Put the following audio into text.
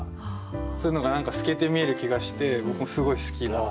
そういうのが何か透けて見える気がして僕もすごい好きな。